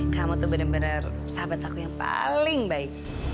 kamu tuh bener bener sahabat aku yang paling baik